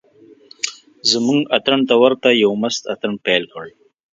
زموږ اتڼ ته ورته یو مست اتڼ پیل کړ.